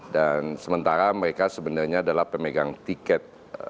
dan sementara mereka sebenarnya adalah pemegang tiket